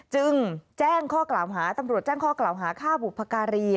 จึงแจ้งข้อกล่าวหาตำรวจแจ้งข้อกล่าวหาฆ่าบุพการี